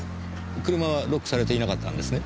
車はロックされていなかったんですね？